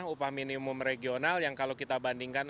upah minimum regional yang kalau kita bandingkan